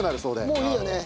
もういいよね？